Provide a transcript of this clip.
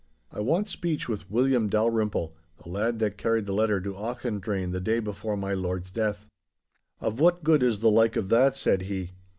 'I want speech with William Dalrymple, the lad that carried the letter to Auchendrayne the day before my lord's death.' 'Of what good is the like of that?' said he.